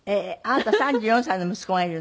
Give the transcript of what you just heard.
あなた３４歳の息子がいるの？